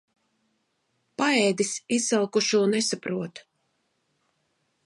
Paēdis izsalkušo nesaprot.